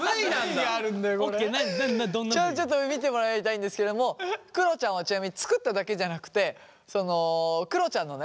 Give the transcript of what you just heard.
ちょっと見てもらいたいんですけどもくろちゃんはちなみに作っただけじゃなくてくろちゃんのね